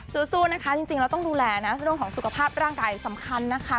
สู้นะคะจริงเราต้องดูแลนะเรื่องของสุขภาพร่างกายสำคัญนะคะ